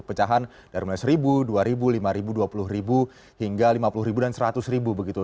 pecahan dari mulai seribu dua ribu lima ribu dua puluh ribu hingga lima puluh ribu dan seratus ribu begitu